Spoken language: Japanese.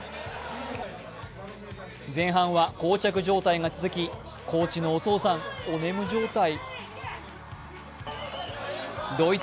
前半はこう着状態が続き、高知のお父さん、おねむ状態。